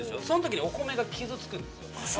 その時にお米が傷つくんですよ